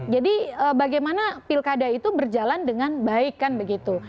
jadi bagaimana pilkada itu berjalan dengan baik kan begitu